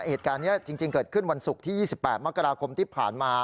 เหตุการณ์นี้จริงเกิดขึ้นวันศุกร์ที่๒๘มกราคมที่ผ่านมา